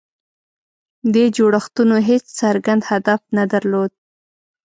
دې جوړښتونو هېڅ څرګند هدف نه درلود.